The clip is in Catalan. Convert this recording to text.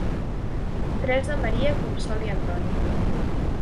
Teresa, Maria, Consol i Antoni.